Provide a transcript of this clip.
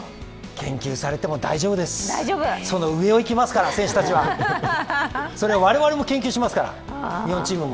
研究されても大丈夫です、その上をいきますから、選手たちは我々も研究しますから、日本チームも。